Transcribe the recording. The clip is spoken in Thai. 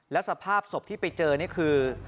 แล้วสภาพศพที่ไปเจอนี่คือ